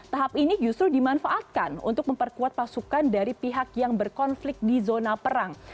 tahap ini justru dimanfaatkan untuk memperkuat pasukan dari pihak yang berkonflik di zona perang